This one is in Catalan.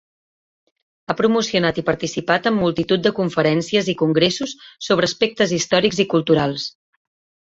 Ha promocionat i participat en multitud de conferències i congressos sobre aspectes històrics i culturals.